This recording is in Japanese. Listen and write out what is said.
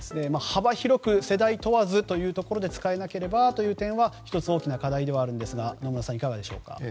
幅広く世代問わず使えなければという点は１つ大きな課題ですが野村さん、いかがでしょうか。